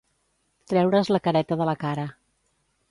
Treure's la careta de la cara.